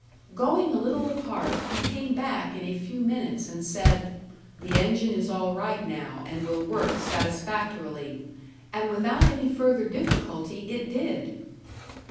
"Going a little apart, he came back in a few minutes and said: 'The engine is all right now and will work satisfactorily.' and without any further difficulty it did."